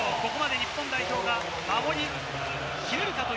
日本代表が守り切れるか？